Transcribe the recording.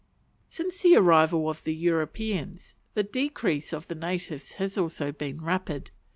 Since the arrival of the Europeans the decrease of the natives has also been rapid.